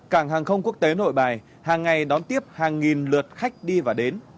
cảng hàng không quốc tế nội bài hàng ngày đón tiếp hàng nghìn lượt khách đi và đến